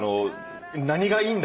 何がいいんだ？